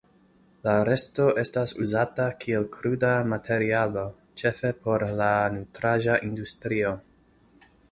La resto estas uzata kiel kruda materialo, ĉefe por la nutraĵa industrio.